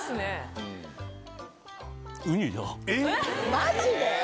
マジで？